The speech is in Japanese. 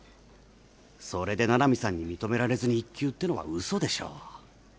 それで七海さんに認められずに１級ってのはうそでしょ。